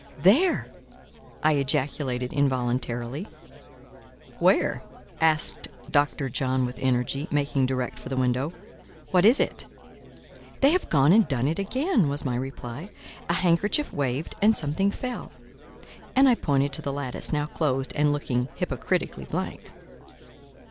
"There!" I ejaculated involuntarily. "Where?", asked Dr. John with energy, making direct for the window. "What, is it?" "They have gone and done it again," was my reply. "A handkerchief waved and something fell:" and I pointed to the lattice, now closed and looking hypocritically blank.